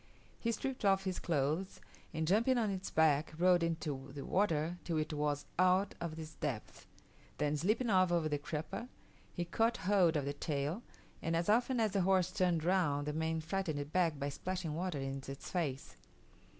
He stripped off his clothes, and jumping on its back, rode into the water till it was out of its depth; then slipping off over the crupper, he caught hold of the tail, and as often as the horse turned round the man frightened it back by splashing water in its face.